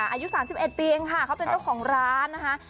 อายุ๓๑ปีเองค่ะเขาเป็นเจ้าของร้านนะคะ